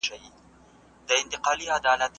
هغه په خپل نامې یادېدی.